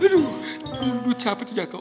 aduh duit siapa itu jatoh